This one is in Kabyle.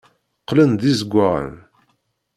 Qqlen d izewwaɣen.